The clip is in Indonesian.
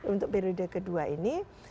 untuk periode kedua ini